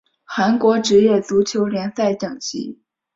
韩国职业足球联赛等级